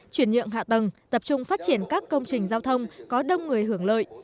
chuyển nhượng hạ tầng tập trung phát triển các công trình giao thông có đông người hưởng lợi